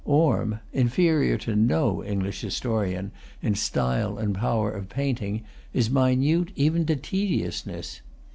Orme, inferior to no English historian in style and power of painting, is minute even to tediousness.